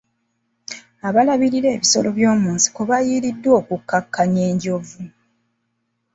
Abalabirira ebisolo by'omunsiko baayiriddwa okukkakkanya enjovu.